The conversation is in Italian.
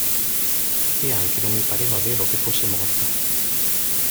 E anche non mi pareva vero che fosse morta.